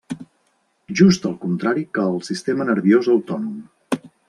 Just el contrari que el sistema nerviós autònom.